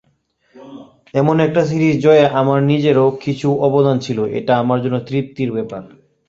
এমন একটা সিরিজ জয়ে আমার নিজেরও কিছু অবদান ছিল, এটা আমার জন্য তৃপ্তির ব্যাপার।